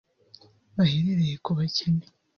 bahereye ku bakene